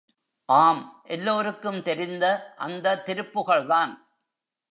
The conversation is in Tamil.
ஆம் எல்லோருக்கும் தெரிந்த அந்த திருப்புகழ்தான்.